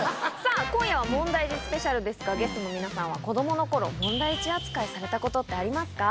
今夜は問題児スペシャルですがゲストの皆さんは子供の頃問題児扱いされたことってありますか？